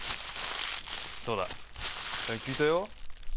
そうだ、さっき聞いたよ。